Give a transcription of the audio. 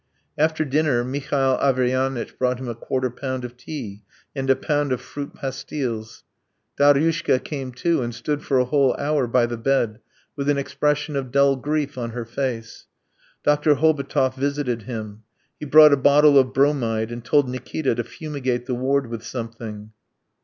After dinner Mihail Averyanitch brought him a quarter pound of tea and a pound of fruit pastilles. Daryushka came too and stood for a whole hour by the bed with an expression of dull grief on her face. Dr. Hobotov visited him. He brought a bottle of bromide and told Nikita to fumigate the ward with something.